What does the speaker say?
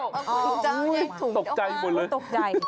อ๋อคุณเจ้าเจ้าค้างตกใจหมดเลยโอ้โฮตกใจ